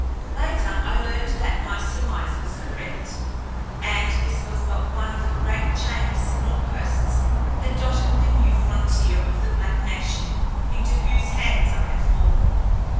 Later, I learned that my surmise was correct, and this was but one of a great chain of similar posts that dotted the new frontier of the black nation into whose hands I had fallen.